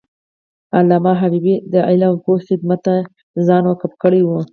علامه حبیبي د علم او پوهې خدمت ته ځان وقف کړی و.